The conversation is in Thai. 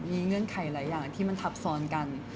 มีเงื่อนไขหลายอย่างที่มันทับซ้อนกัน